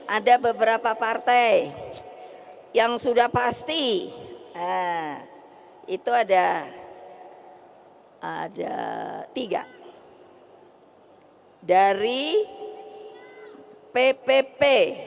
ada beberapa partai yang sudah pasti itu ada tiga dari ppp